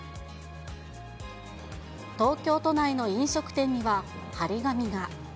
東京都内の飲食店には、貼り紙が。